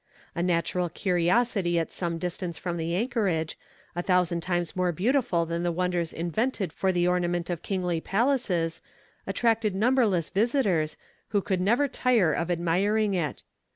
A natural curiosity at some distance from the anchorage, a thousand times more beautiful than the wonders invented for the ornament of kingly palaces, attracted numberless visitors, who could never tire of admiring it.